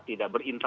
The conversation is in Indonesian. dan sudah terkendali